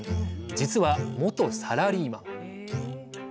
実は元サラリーマン。